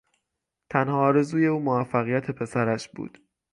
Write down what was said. تنها آرزوی او موفقیت پسرش بود.